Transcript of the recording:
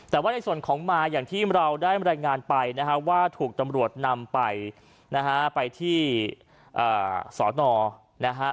แต่ว่าในส่วนของมาอย่างที่เราได้รายงานไปนะฮะว่าถูกตำรวจนำไปนะฮะไปที่สอนอนะฮะ